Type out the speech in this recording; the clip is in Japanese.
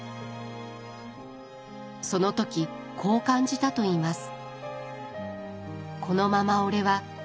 その時こう感じたといいます。